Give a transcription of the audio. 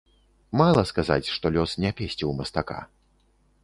Мала сказаць, што лёс не песціў мастака.